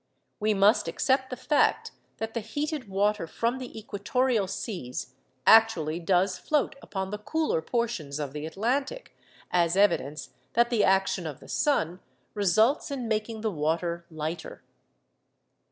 We must accept the fact that the heated water from the equatorial seas actually does float upon the cooler portions of the Atlantic, as evidence that the action of the sun results in making the water lighter.